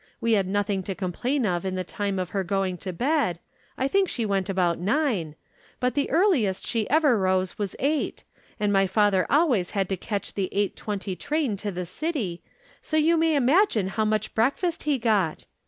We had nothing to complain of in the time of her going to bed I think she went about nine but the earliest she ever rose was eight, and my father always had to catch the eight twenty train to the City, so you may imagine how much breakfast he got.